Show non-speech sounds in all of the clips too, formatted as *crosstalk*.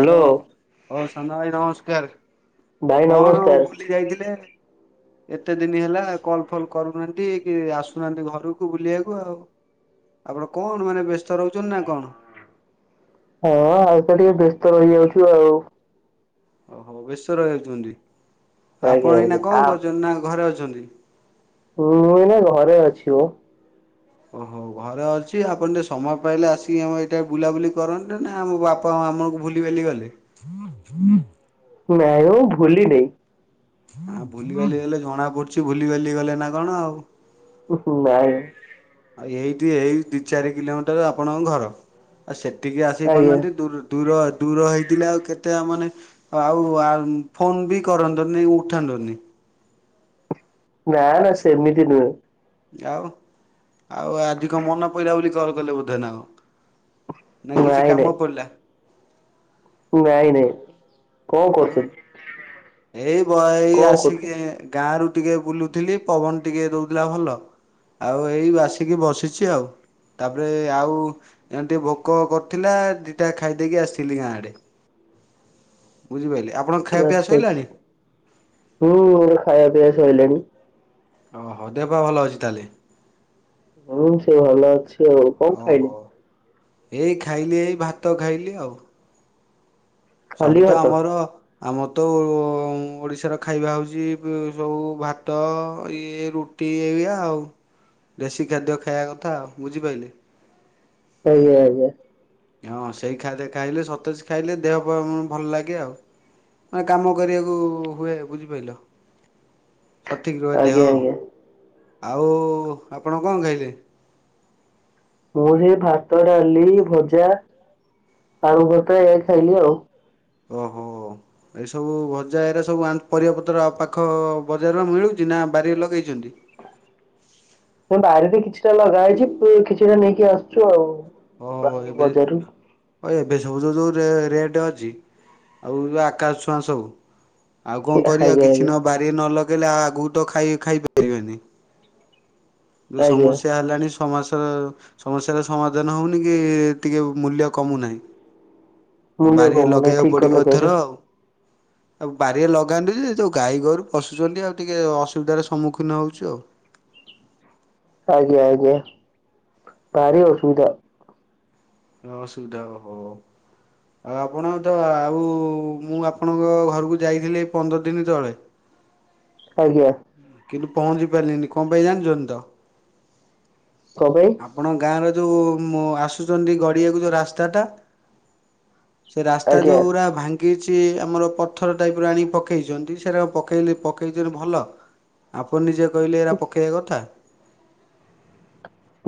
Hello ହଉ ସାନ ଭାଇ ନମସ୍କାର। ଆ ଭାଇ କଣ ନମସ୍କାର। ବୁଲି ଯାଇଥିଲି ଏତେ ଦିନ ହେଲା କଲ ଫଲ କରୁନାହାନ୍ତି। କି ଆସୁନାହାନ୍ତି ଘରକୁ ବୁଲିବାକୁ ଆଉ ଆପଣ କଣ ମାନେ ବ୍ୟସ୍ତ ରହୁଛନ୍ତି ନା କଣ। ହଁ ଆଉ ସେ ଟିକେ ବ୍ୟସ୍ତ ରହିଯାଉଛି। ଠୁ ଆଉ ଓହୋ ବ୍ୟସ୍ତ ରହିଯାଉଛନ୍ତି। ଆଜ୍ଞା ଆପଣ ଏଇନା ଆଜ୍ଞା। ଆ କଣ କରୁଛନ୍ତି ନା ଘରେ ଅଛନ୍ତି। ମୁଁ ମୁଇ ନ ଘରେ ଅଛି ମ ଓହୋ ଘରେ ଅଛି ଆପଣ ଟିକେ ସମୟ ପାଇଲେ ଆସିକି ଆମ ଏଇଟା ବୁଲାବୁଲି କରନ୍ତେ ନା ଆମ ବାପା ଆମକୁ ଭୁଲି ବାଲି ଗଲେ ନାଇଁ ମ ଭୁଲି ନି। ହଁ ଭୁଲିିବାଲି ହେଲେ ଜଣା ପଡୁ କିଛି ଭୁଲି ବାଲି ଗଲେ ନା କଣ ଆଉ। ହୁଁ ହୁଁ ନାଇଁ। ଆଉ ଏଇଠି ଏଇ ଦୁଇ ଚାରି କିଲୋମିଟର ଆପଣଙ୍କ ଘର ଆଉ ସେ ଟିକିେ ଆସି ଆଜ୍ଞା। ପାରୁନାହାନ୍ତି ଦୁ ଦୂର ଦୂର ହେଇଥିଲେ ଆଉ କେତେ ତାମାନେ ଆଉ ଫୋନ ବି କରନ୍ତୁନି ଉଠନ୍ତୁନି। ନା ନା ସେମିତି ନୁହେଁ। ଆଉ। ଆଉ ଆଧିକ ମନ ପଇିଲା ବୋଲି କ କଲେ ବୋଧେ ନା କଣ? ନା କିଛି କାମ ପଡ଼ିଲା? ନାଇ ନାଇ ଆଉ ଏଇ ବ ଏଇ କଣ ଆସିକି କରୁଛନ୍ତି? ଗାଁ ରୁ ଟିକେ ବୁଲୁଥିଲି ପବନ ଟିକେ ଦଉଥିଲା ଭଲ ଆଉ ଏଇ ଆସିକି ବସିଛି ଆଉ ତାପରେ ଆଉ ଏମ ଟିକେ ଭୋକ କରିଥିଲା ଦିଟା ଖାଇ ଦେଇେଇକି ଆସିଥିଲି ଗାଁ ଆଡେ। ବୁଝି ପାଇଲେ? ଆଛା ଆଛା ହୁଁ ମ ଖାଇବା ପିଆ ସଇଲାଣୀ। ଓହୋ ଦେବ ଭଲ ଅଛି ତାହେଲେ? ହୁଁ ସେ ଭଲ ଅଛି। ସେଉ କଣ ଓହୋ ଖାଇଲେ? ଏଇ ଖାଇଲି ଏଇ ଭାତ ଖାଇଲି ଆଉ। ଖାଲି ସବୁ ତ ଭାତ ଆମର ଆମର ତ ଓଡ଼ିଶାର ଖାଇବା ହେଉଛି ସବୁ ଭାତ ଇଏ ରୁଟି ଏଇଆ ଆଉ ଦେଶୀ ଖାଦ୍ୟ ଖାଇବା କଥା ଆଉ ବୁଝିପାଇଲେ। ଆଜ୍ଞା ଆଜ୍ଞା। ହଁ ସେଇ ଖାଦ୍ୟ ଖାଇଲେ ସତେଜ ଖାଇଲେ ଦେହ ଭଲ ଲାଗେ ଆଉ ମାନେ କାମ କରିବାକୁ ହୁଏ ବୁଝିପାରିଲ। ସଠିକ ରୁହେ ଦେହ। ଆଜ୍ଞା ଆଜ୍ଞା। ଆଉ ଆପଣ କଣ ଖାଇଲେ? ମୁଁ ସେ ଭାତ ଡାଲି ଭଜା ଆଳୁ ଭ୍ରତା ଏଇଆ ଖାଇଲି ଆଉ। ଓହୋ ଏଇ ସବୁ ଭଜା ଏରେ ସବୁ ପରିବା ପତ୍ର ପାଖ ବଜାର ବା ମିଳୁଛି ନା ବାରିରେ ଲଗେଇଛନ୍ତି। ବାରିରେ କିଛିଟା ଲଗା ହେଇଛି କିଛିଟା ନେଇକି ଆସୁଛୁ ଆଉ। ଓହୋ ବାହାରୁ ଏବେ ବଜାରରୁ। ଏବେ ସବୁ ଯୋଉ ଯୋଉ ରେ ରେଟ ଅଛି ଆଉ ଆକାଶ ଛୁଆଁ ସବୁ। ଆଉ କଣ ଆଜ୍ଞା କରିବାଉ କିଛି ନ ଆଜ୍ଞା ବାରିରେ ନଲ ନଲଗେଇଲେ ଆଗକୁ ତ ଖାଇ ଖାଇପାରିବେନି ଯୋଉ ଆଜ୍ଞା ସମସ୍ୟା ହେଲାଣି ସମା ସମସ୍ୟାର ସମାଧାନ ସମାଧାନ ହେଉନି କି ଟିକେ ମୂଲ୍ୟ କମୁନାହିଁ ମୁୂଲ୍ୟ ବାରିରେ କମୁନି ହିଁ ଲଗେଇବାକୁ ଠିକ ପଡିବ କଥା ଏଥର କହିଲ ଆଉ। ଆଉ ବାରିରେ ଲଗାନ୍ତୁ ଯୋଉ ଗାଈ ଗୋରୁ ପଶୁଛନ୍ତି ଆଉ ଟିକେ ଅସୁବିଧାର ସମ୍ମୁଖୀନ ହଉଛୁ ଆଉ ଆଜ୍ଞା ଆଜ୍ଞା ଭାର ଅସୁବିଧା ଅସୁବିଧା ହ ହଉ ଆଉ ଆପଣ ତ ଆଉ ମୁଁ ଆପଣଙ୍କ ଘରକୁ ଯାଇଥିଲି ପନ୍ଦର ଦିନ ତଳେ ଆଜ୍ଞା କିନ୍ତୁ ପହଞ୍ଚି ପାରିଲିନି କଣ ପାଇଁ ଜାଣିଛନ୍ତି ତ କଣ ପାଇଁ ଆପଣ ଗାଁରେ ଯୋଉ ଆସୁଛନ୍ତି ଗଡିଆକୁ ଯୋଉ ରାସ୍ତା ଟା ସେ ରାସ୍ତା ଆଜ୍ଞା। ଯୋଉ ଗୁରା ଭାଙ୍ଗ ଗିଛି ଆମର ପଥର ଟାଇପ ର ଆଣିକି ପକେଇଛନ୍ତି ସେଟା ପକେଇଲେ ପକେଇଛନ୍ତି ଭଲ ଆପଣ ନିଜେ କହିଲେ ଏଇରା ପକେଇବା କଥା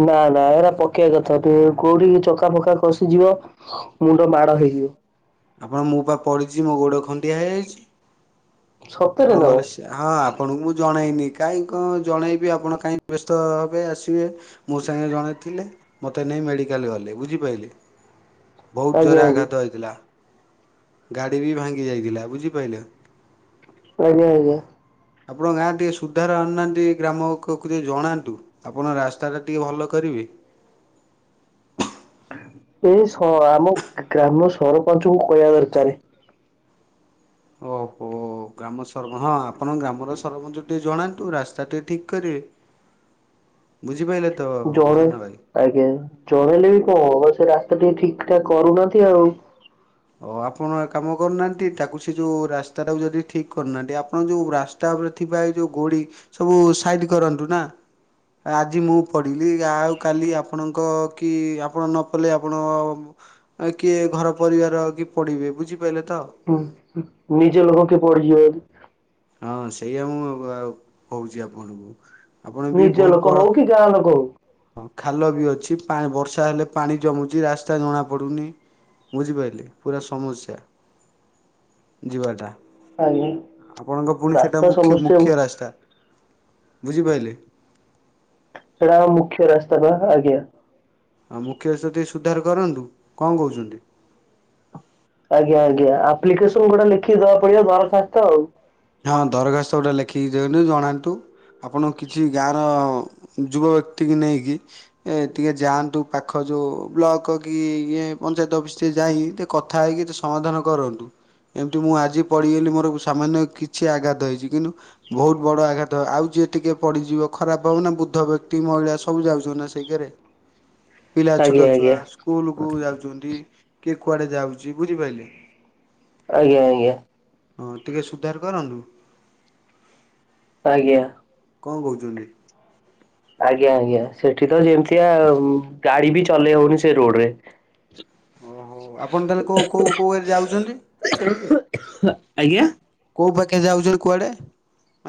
ନା ନା ଏରା ପକେଇବା କଥା ଟ କୋଉଠି ଚକା ଫକା ଖଷିଯିବ ମୁଣ୍ଡ ମାଡ ହେଇଯିବ ଆପଣ ମୋ ପା ପଡିଛି ମୋ ଗୋଡ ଖଣ୍ଡିଆ ହେଇଯାଇଛି ସତରେ ନା ଆପଣଙ୍କ ଘର କଣ? ହଁ ଆପଣଙ୍କୁ ମୁଁ ଜଣେଇନି କାଇହିଁ କଣ ଜଣେଇବି ଆପଣ କାହିଁକି ବ୍ୟସ୍ତ ହେବେ ଆସିବେ ମୋ ସାଙ୍ଗେ ଜଣେ ଥିଲେ ମୋତେ ନେଇ ମେଡ଼ିକାଲ ଗଲେ ବୁଝିପାରିଲି ବହୁତ ଆଜ୍ଞା ଜୋରରେ ଆଜ୍ଞା ଆଘାତ ହେଇଥିଲା ଗାଡ଼ି ବି ଭାଙ୍ଗି ଯାଇଥିଲା ବୁଝିପାଇଲ। ଆଜ୍ଞା ଆଜ୍ଞା। ଆପଣ ଗାଁ ରେ ଟିକେ ସୁଧାର ଆଣୁନାହାନ୍ତି। ଗ୍ରାମ ଗ୍ରାମକୁ ଟିକେ ଜଣାନ୍ତୁ। ଆପଣ ରାସ୍ତା ଟା ଟିକେ ଭଲ କରିବେ। ଏଇ ସ ଆମ ଗ୍ରାମ ସରପଞ୍ଚଙ୍କୁ କହିବା ଦରକାର। ଓହୋ ଗ୍ରାମସରପ ହଁ ଆ ପଣଙ୍କ ଗ୍ରାମର ସରପଞ୍ଚ। ଟିକେ ଜଣାନ୍ତୁ ରାସ୍ତା ଟିକେ ଠିକ କରିବେ। ବୁଝିପା ଜଣେ ଆଜ୍ଞା। ଜଣେଇଲେ ବି କଣ ହବ ବା ସେ ରାସ୍ତା ଟିକେ ଠିକ ଏଟା କରୁନାହାନ୍ତି ଆଉ। ଓ ଆପଣ କାମ କରୁନାହାନ୍ତି। ତାକୁ ସେ ଯୋଉ ରାସ୍ତା ଟାକୁ ଯଦି ଠିକ କରୁନାହାନ୍ତି ଆପଣ ଯୋଉ ରାସ୍ତା ଉପରେ ଥିବା ଏ ଯୋଉ ଗୋଡି ସବୁ ସାଇଡ କରନ୍ତୁ ନା। ଆଜି ମୁଁ ପଡିଲି ଆଉ କାଲି ଆପଣଙ୍କ କି ଆପଣ ନ ପଡିଲେ ଆପଣ କିଏ ଘର ପରିବାର ର ବି ପଡ଼ିବେ ବୁଝିପା ହୁଁନି ନିଜ ଲୋକ କିଏ ପଡ଼ିଯିବ। ହ *inaudible* ହଁ ସେଇଆ ମୁଁଆଉ କହୁଛି ଆପଣଙ୍କୁ। ଆପଣ ବି ନିଜ ବହୁତ ଲୋକ ବଡ଼ ହଉ କି ଗାଁ ଲୋକ ହଉ। ହଁ ଖାଲ ବି ଅଛି ପା ବର୍ଷା ହେଲେ ପାଣି ଜମୁଛି। ରାସ୍ତା ଜଣା ପଡୁନି ବୁଝିପାଇଲେ ପୁରା ସମସ୍ୟା ଯିବାଟା। ଆଜ୍ଞା। ଆପଣଙ୍କ ପୁଣି ସେଟା ରାସ୍ତା ମୁଖ୍ୟ ସମସ୍ୟା ମୁଖ୍ୟ ରାସ୍ତା। ବୁଝିପାଇଲେ। ସେଟା ବା ମୁଖ୍ୟ ରାସ୍ତା ବା ଆଜ୍ଞା। ଆଉ ମୁଖ୍ୟ ସେତି ସୁଧାର କରନ୍ତୁ କଣ କହୁଛନ୍ତି? ଆଜ୍ଞା ଆଜ୍ଞା ଆପ୍ଲିକେସନ ଗୋଟା ଲେଖିକି ଦବାକୁ ପଡିବ ଦରଖାସ୍ତ ଆଉ। ହଁ ଦରଖାସ୍ତ ଗୋଟେ ଲେଖିକି ଦିଅନ୍ତୁ ଜଣାନ୍ତୁ ଆପଣ କିଛି ଗାଁର ଯୁବ ବ୍ୟକ୍ତି କି ନେଇକି ଏ ଟିକେ ଯାଆନ୍ତୁ ପାଖ ଯେଉଁ ବ୍ଲକ କି ଇଏ ପଞ୍ଚାୟତ ଅଫିସ ଟିକିଏ ଯାଇକି ଟିକେ କଥା ହେଇକିେ ସମାଧାନ କରନ୍ତୁ। ଏମିତି ମୁଁ ଆଜି ପଡ଼ିଗଲି ମୋର ସାମାନ୍ୟ କି କିଛି ଆଘାତ ହେଇଛି। କିନ୍ତୁ ବହୁତ ବଡ ଆଘାତ ହ ଆଉ ଯିଏ ଟିକେ ପଡିଯିବ ଖରାପ ହବ ନା ବୁଦ୍ଧ ବ୍ୟକ୍ତି ମହିଳା ସବୁ ଯାଉଛନ୍ତି ନା ସେଇକରେ। ପିଲା ଛୋଟ ଆଜ୍ଞା ଛୁଆ ଆଜ୍ଞା ସ୍କୁଲ କୁ ଯାଉଛନ୍ତି। କିଏ କୁଆଡେ ଯାଉଛି ବୁଝିପାଇଲେ। ଆଜ୍ଞା ଆଜ୍ଞା। ହଁ ଟିକେ ସୁଧାର କରନ୍ତୁ। ଆଜ୍ଞା। କଣ କହୁଛନ୍ତି? ଆଜ୍ଞା ଆଜ୍ଞା। ସେଠି ତ ଯେମିତିଆ ଗାଡି ବି ଚଲେଇ ହଉନି ସେ ରୋଡରେ। ଓହୋ ଆପଣ ତାହେଲେ କୋଉ କୋଉ କୋଉ ହାରେ ଯାଉଛନ୍ତି। ଆଜ୍ଞା। କୋଉ ପା ଏକେ ଯାଉଛ କୁଆଡେ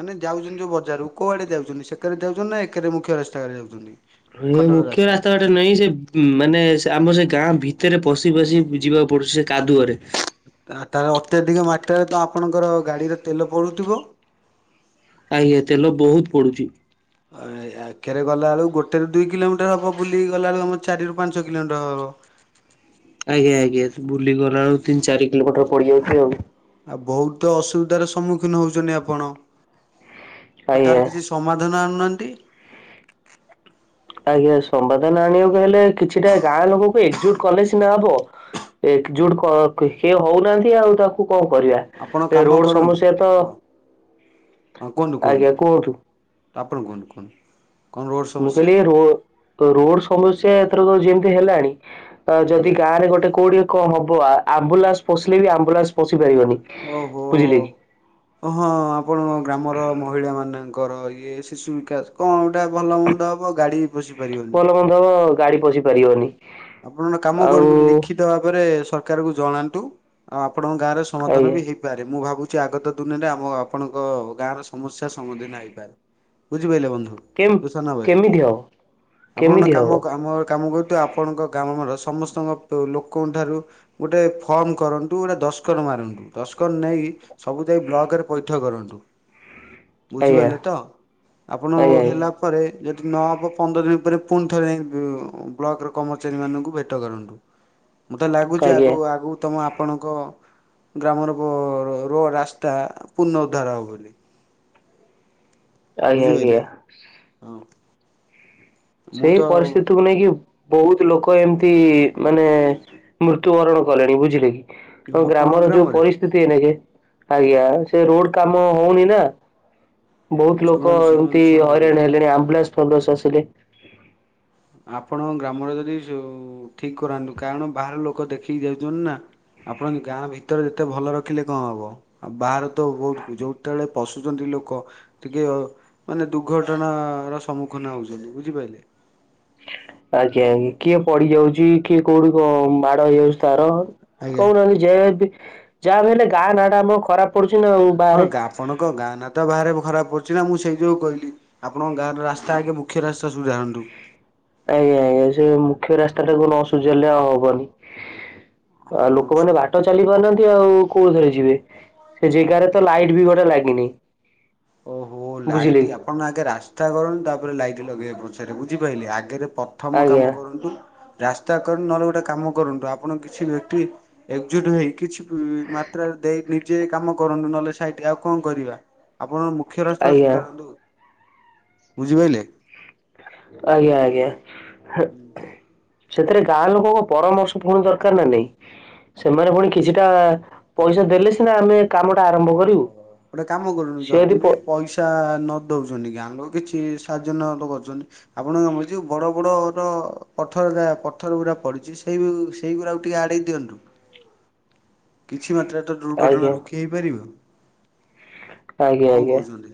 ମାନେ ଯାଉଛନ୍ତି ଯୋଉ ବଜାରରୁ କୁଆଡେ ଯାଉଛନ୍ତି ସେକରେ ଯାଉଛନ୍ତି ନା ଏକରେ ମୁଖ୍ୟ ରାସ୍ତା କରେ ଯାଉଛନ୍ତି। ଏ ଖଣ୍ଡଡ଼ ମୁଖ୍ୟ ରାସ୍ତାରେ ରାସ୍ତା ଗୋଟେ ନାହିଁ ସେ ମାନେ ସେ ଆମ ସେ ଗାଁ ଭିତରେ ପଶି ପଶି ଯିବାକୁ ପଡୁଛି ସେ କାଦୁଅରେ। ଆ ତା ଅତ୍ୟଧିକ ମାତ୍ରାରେ ତ ଆପଣଙ୍କର ଗାଡିର ତେଲ ପୋଡୁଥିବ? ଆଜ୍ଞା ତେଲ ବହୁତ ପୋଡୁଛି। ଆଗରେ ଗଲା ବେଳକୁ ଗୋଟେରୁ ଦୁଇ କିଲୋମିଟର ହବ ବୁଲିକି ଗଲା ବେଳକୁ ଆମର ଚାରିରୁ ପାଞ୍ଚ କିଲୋମିଟର ହବ। ଆଜ୍ଞା ଆଜ୍ଞା ବୁଲିଗଲା ଗଲା ବେଳକୁ ତିନି ଚାରି କିଲୋମଟର ପଡିଯାଉଛି ଆଉ। ଆଉ ବହୁତ ଅସୁବିଧାର ସମ୍ମୁଖୀନ ହଉଛନ୍ତି ଆପଣ। ଆ ଆଜ୍ଞା ତାର କିଛି ସମାଧା *unintelligible* ଆଜ୍ଞା ସମ୍ବାଦନ ଆଣିବାକୁ ହେଲେ କିଛିଟା ଗାଁ ଲୋକଙ୍କୁ ଏକଜୁଟ କଲେ ସିନା ହବ। ଏକଜୁଟ କ ହେ ହଉନାହାନ୍ତି ଆଉ ତାକୁ କଣ କରିବା ଆପଣ ଏ କାମ ରୋଡ କରନ୍ତୁ ସମସ୍ୟା ତ ହଁ ଆଜ୍ଞା କୁହନ୍ତୁ। ତ ଆପଣ କୁହନ୍ତୁ କୁହନ୍ତୁ। କଣ ରୋଡ ମୁଁ ସମସ୍ୟା କହିଲି ଏ ରୋ ରୋଡ ସମସ୍ୟା ଏଥରକ ଯେମିତି ତ ହେଲାଣି ତ ଯଦି ଆଜ୍ଞା ଗାଁରେ ଗୋଟେ କୋଉଠି କଣ ହବ ଆ ଆମ୍ବୁଲାନ୍ସ ପସିଲେ ବି ଆମ୍ବୁଲାନ୍ସ ପସି ଓହୋ ଓ ହଁ ଆପଣଙ୍କ ଗ୍ରାମର ମହିଳା ମାନେ ତାଙ୍କର ଇଏ ଶିଶୁ ବିକାଶ୍ କଣ ଗୋଟେ ଭଲ ମନ୍ଦ ହବ ଗାଡ଼ି ଭଲ ମନ୍ଦ ହବ ଗାଡି ପଶି ପାରିବନି। ଆପଣ ଗୋଟେ କାମ ଆଉ କରନ୍ତୁ ଲିଖିତ ଭାବରେ ସରକାରକୁ ଜଣାନ୍ତୁ ଆ ଆପଣଙ୍କ ଗାଁରେ ସମାଧାନ ଆଜ୍ଞା ବି ହେଇପାରେ ମୁଁ ଭାବୁ ଚ୍-ଆଗତ ଦିନରେ ଆମ ଆପଣଙ୍କ ଗାଁର ସମସ୍ୟା ସମୁଧୀନ ହେଇପାରେ। ବୁଝିପାଇଲେ ବନ୍ଧୁ କେମ ତୁ ସାନଭାଇ କେମିତି ହବ? ଆପଣ କେମିତି କାମ ହବ କାମ କାମ କରୁ *unintelligible* ଆପଣଙ୍କ ଗ୍ରାମର ସମସ୍ତଙ୍କ ଲୋକଙ୍କଠାରୁ ଗୋଟେ ଫର୍ମ କରନ୍ତୁ ଗୋଟେ ଦଶକତ ମାରନ୍ତୁ, ଦଶକତ ନେଇ ସବୁ ଯାଇ ବ୍ଲକରେ ପଇଠ କରନ୍ତୁ। ଆଜ୍ଞା ବୁଝିପାରିଲେ ତ? ଆପଣ ଆଜ୍ଞା ଆଜ୍ଞା ହେଲା ପରେ ଯେ ଯଦ୍ ନହବ ପନ୍ଦର ଦିନ ପରେ ପୁଣିଥରେ ନେଇ ବ୍-ବ୍ଲକର କର୍ମଚାରୀମାନଙ୍କୁ ଭେଟ କରନ୍ତୁ। ମତେ ଲାଗୁଛି ଆଜ୍ଞା ଆଗଉ ଆଗକୁ ତମ ଆ ଆପଣଙ୍କ ଗ୍ରାମର ରୋ ରାସ୍ତା ପୁନଃଉଦ୍ଧାର ହବ ବୋଲି। ଆଜ୍ଞା ବୁଝିପାରିଲେ? ଆଜ୍ଞା। ହଁ ମୁଁ ତ ସେଇ ପରିସ୍ଥିତିକୁ ନେଇକି ବହୁତ ଲୋକ ଏମିତି ମାନେ ମୃତ୍ୟୁବରଣ କଲେଣି, ବୁଝିଲେ କି? ଯୋଉ ଆମ ଆପଣଙ୍କ ଗ୍ରାମର ଯୋଉ ଗ୍ରାମରେ ପରିସ୍ଥିତି ଏଇନେ କି। ଆଜ୍ଞା, ସେ ରୋଡ କାମ ହଉନି ନା। ବହୁତ ଲୋକ ଶୁଣନ୍ତୁ ଶୁଣନ୍ତୁ ଏମିତି ଶୁଣୁ ହଇରାଣ ହେଲେଣି। ଆମ୍ବୁଲାନ୍ସ ଭଲସେ ଆସିଲେ। *inaudible* ଆପଣଙ୍କ ଗ୍ରାମରେ ଯଦି ଯୋଉ ଠିକ କରାନ୍ତୁ, କାରଣ ବାହାର ଲୋକ ଦେଖିକି ଯାଉଛନ୍ତି ନା ଆପଣ ଗାଁ ଭିତରେ ଯେତେ ଭଲ ରଖିଲେ କଣ ହବ ଆଉ ବାହାର ତ ବୋହୁତ୍ ଯେତେବେଳେ ପଶୁଛନ୍ତି ଲୋକ ଟିକେ ମାନେ ଦୁର୍ଘଟଣାର ସମ୍ମୁଖୀନ ହଉଛନ୍ତି, ବୁଝିପାରିଲେ। ଆଜ୍ଞା ଆଜ୍ଞା କିଏ ପଡି ଯାଉଛି କିଏ କୋଉଠି କଣ ମାଡ ହେଇଯାଉଛି ତାର। ଆଜ୍ଞା କହୁନାହାନ୍ତି *unintelligible* ଯାହା ବି ହଲେ ଗାଁ ନାଁ ଆମ ଖରାପ ପଡୁଛି ନା ଆଉ ହଁ ବାହାରେ ଆପଣଙ୍କ ଗାଁ ନା ତ ବାହାରେ ଖରାପ ପଡୁଛି ନା ମୁଁ ସେଇ ଯଉ କହିଲି ଆପଣଙ୍କ ଗାଁ ର ରାସ୍ତା ଆଗେ ମୁଖ୍ୟ ରସୁବିଧାନ୍ତୁ। ବୁଝେଇଲେ ଆଉ ହବନି। ଆଉ ଲୋକମାନେ ବାଟ ଚାଲି ପାରୁନାହାନ୍ତି ଆଉ କୋଉଥରେ ଯିବେ ସେ ଜାଗାରେ ହଁ ତ ଲାଇଟ ବି ଗୋଟେ ଲାଗିନି। ଓହୋ ବୁଝିଲେ ଲାଇଟ୍ କି ଆପଣ ଆଗେ ରାସ୍ତା କରନ୍ତୁ ତାପରେ ଲାଇଟ୍ ଲଗେଇବାକୁ ପ ହେଲେ ବୁଝି ପାଇଲି ଆଗରେ ପ୍ରଥମ ଆଜ୍ଞା କାମ କରନ୍ତୁ। ରାସ୍ତା କରୁ ନହେଲେ ଗୋଟେ କାମ କରନ୍ତୁ ଆପଣ କିଛି ବ୍ୟକ୍ତି ଏକଜୁଟ ହେଇ କିଛି ମାତ୍ରାରେ ଦେଇ ନିଜେ କାମ କରନ୍ତୁ ନହେଲେ ସାଇଠ ଆଉ କଣ କରିବା। ଆପଣ ମୁଖ୍ୟ ରାସ୍ତାକୁ ଆଜ୍ଞା। ସୁଧାରନ୍ତୁ। ବୁଝିପାରିଲେ, ଆଜ୍ଞା ଆଜ୍ଞା। ହୁଁ, ସେଥିରେ ଗାଁ ଲୋକଙ୍କ ପରାମର୍ଶ ପୁଣି ଦରକାର ନା ନାଇଁ ସେମାନେ ପୁଣି କିଛିଟା ଆଜ୍ଞା ପଇସା ଦେଲେ ସିନା ଆମେ କାମଟା ଆରମ୍ଭ ଓ କରିବୁ। ଗୋଟେ କାମ କରୁନୁ ସେ ଯଦି ପ ବି ପଇସା ନ ଦଉଛନ୍ତି ଗାଁ ଲୋକ କିଛି କିଛି ସାଜ କରଛନ୍ତି ଆପଣ କ ବଡ ବଡର ପଥର ପଥର ଗୁଡା ପଡିଛି ସେଇ ସେଇଗୁଡାକୁ ଟିକେ ଆଡେଇ ଦିଅନ୍ତୁ କିଛି ମାତ୍ରାରେ ତ ଦୁର୍ଘଟଣା ଆଜ୍ଞା ରୋକି ହେଇପାରିବ ଆଜ୍ଞା କଣ ଆଜ୍ଞା କହୁଛନ୍ତି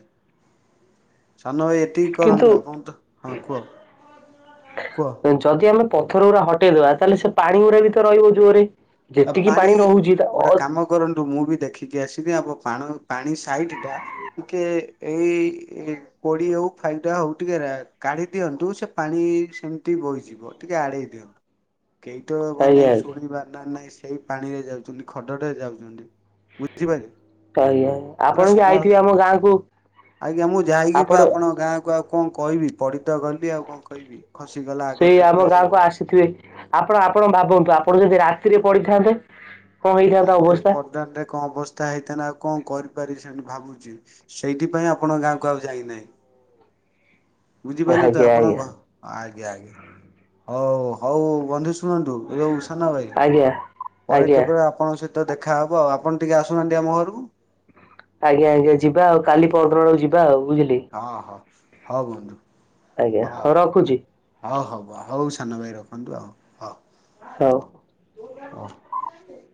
ସାନ ଭାଇ ଏତିକି କିନ୍ତୁ କରନ୍ତୁ ଆପଣ ତ ହଁ କୁହ କୁହ ଯଦି ଆମେ ପଥର ଗୁଡା ହଟେଇଦବା ତାହେଲେ ସେ ପାଣି ଗୁଡା ବି ତ ରହିବ ଜୋରରେ ଆ ପାଣି ଗୋଟେ କାମ କରନ୍ତୁ ମୁଁ ବି ଦେଖିକି ଆସିବି ଆବ ପା ପାଣି ସାଇଡ ଟା ଟିକେ ଏଇ କୋଡି ଆଉ ଫାଇ ଟା ହଉ ଟିକେ କାଢି ଦିଅନ୍ତୁ ସେ ପାଣି ସେମିତି ବୋହିଯିବ ଟିକେ ଆଡେଇ ଦିଅନ୍ତୁ କେହିତ ମାନେ ଆଜ୍ଞା ଆଜ୍ଞା। ଶୁଣିବାର ନା ନାଇଁ ସେଇ ପାଣିରେ ଯାଉଛନ୍ତି ଖଡଟରେ ଯାଉଛନ୍ତି ବୁଝିପାର ଆଜ୍ଞା ପୁରେ ଆପଣ ବି ସମ ଆଇଥିବେ ଆମ ଗାଁକୁ ଆଜ୍ଞା ମୁଁ ଯାଇକି ଆପଣ ଆପଣଙ୍କ ଗାଁକୁ ଆଉ କଣ କହିବି ପଢିତ ଗଲିି ଆଉ କଣ କହିବି ଖସିଗଲା ଆଗ ସେଇ ଚକା ଆମ ସେଇ ଗାଁକୁ ବନ୍ଦ ଆସିଥିବେ ଆପଣ ଆପଣ ଭାବନ୍ତୁ ଆପଣ ଯଦି ରା ପଡିିଥାନ୍ତେ ଆରେ ପଦାନ ରେ କଣ ଅବସ୍ଥା ହେଇଥା ନା ଆଉ କଣ କରିପାରିଛନ ଭାବୁଛି ସେଇଥି ପାଇଁ ଆପଣ ଗାଁ କ ଆଉ ଯାଇନାହିଁ ବୁଝିପାରିଲ ତ ଆଜ୍ଞା ଆଜ୍ଞା ଆପଣଙ୍କ ଆ ଆଜ୍ଞା ଆଜ୍ଞା ହଉ ହଉ ବନ୍ଧୁ ଶୁଣନ୍ତୁ ଯୋଉ ସାନ ଭାଇ ଆଜ୍ଞା ପରେ ଆଜ୍ଞା କେବେ ଆପଣଙ୍କ ସହି- ତ ଦେଖାହବ ଆଉ ଆପଣ ଟିକେ ଆସୁନାହାନ୍ତି ଆମ ଘରକୁ ଆଜ୍ଞା ଆଜ୍ଞା ଯିବା ଆଉ କାଲି ପହରଦିନ ବେଳକୁ ଯିବା ଆଉ ବୁଝିଲେ ହଁ ହଁ ହଉ ଆଜ୍ଞା ହଁ ହଉ ରଖୁଛି ହଁ ହଉ ହଉ ହଉ ସାନ ଭାଇ ରଖନ୍ତୁ ଆଉ ହଉ ହଉ *unintelligible*